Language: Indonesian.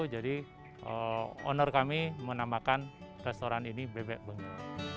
jadi pengelola kami menamakan restoran ini bebek bengil